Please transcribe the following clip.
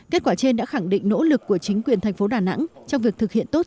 kết quả trên đã khẳng định nỗ lực của chính quyền thành phố đà nẵng trong việc thực hiện tốt